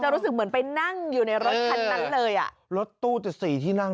รู้สึกเหมือนไปนั่งอยู่ในรถคันนั้นเลยอ่ะรถตู้จะสี่ที่นั่ง